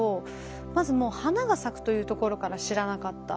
まずもう花が咲くというところから知らなかった。